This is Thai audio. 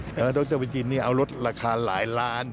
แล้วต้องจะไปจิ้มนี่เอารถราคาหลายล้าน